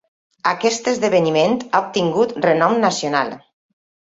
Aquest esdeveniment ha obtingut renom nacional.